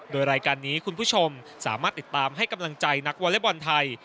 โดยรายการนี้คุณผู้ชมสามารถติดตามให้กำลังใจนักวอเล็กบอลไทย